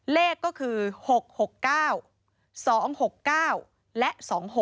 เลขก็คือ๖๖๙๒๖๙และ๒๖